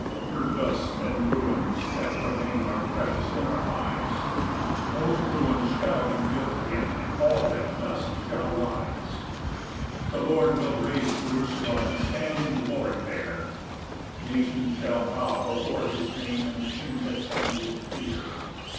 2 Her dust and ruins that remain Are precious in our eyes; Those ruins shall be built again, And all that dust shall rise. 3 The Lord will raise Jerusalem, And stand in glory there; Nations shall bow before has name, And kings attend with fear.